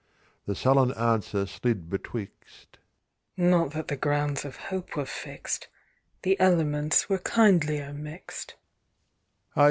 The sullen answer slid betwixt: "Not that the grounds of hope were fix'd, The elements were kindlier mix'd."